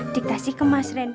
diktasi ke mas randy